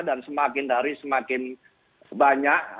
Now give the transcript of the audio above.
dan semakin dari semakin banyak